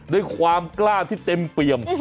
ด้วยความกล้าที่เต็มเปี่ยม